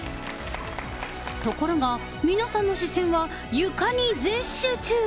ところが皆さんの視線が床に全集中。